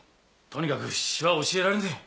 とにかく詩は教えられねえ。